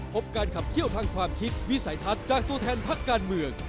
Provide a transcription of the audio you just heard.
พบการขับเคี่ยวทางความคิดวิสัยทัศน์จากตัวแทนพักการเมือง